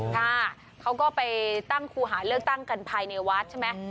ค่ะเขาก็ไปตั้งครูหาเลือกตั้งกันภายในวัดใช่ไหม